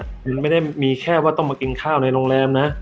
มันไม่ได้มีแค่ว่าต้องมากินข้าวในโรงแรมนะ